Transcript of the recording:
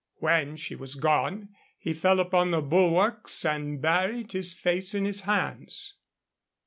When she was gone he fell upon the bulwarks and buried his face in his hands.